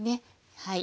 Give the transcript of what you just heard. はい。